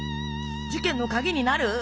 事件の鍵になる？